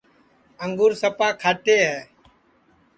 انگور سپا کھاٹے ہے